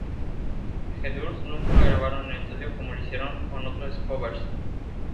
The Doors nunca la grabaron en estudio, como lo hicieron con otros covers.